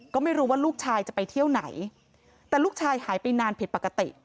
ก็ไม่รู้ว่าลูกชายจะไปเที่ยวไหนแต่ลูกชายหายไปนานผิดปกติ